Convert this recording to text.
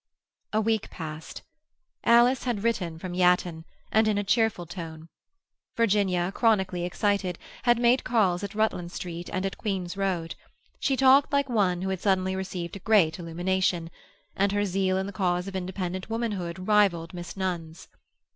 A week passed. Alice had written from Yatton, and in a cheerful tone. Virginia, chronically excited, had made calls at Rutland Street and at Queen's Road; she talked like one who had suddenly received a great illumination, and her zeal in the cause of independent womanhood rivalled Miss Nunn's.